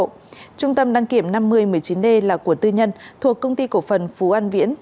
trung tâm đăng kiểm năm mươi một mươi chín d là của tư nhân thuộc công ty cổ phần phú an viễn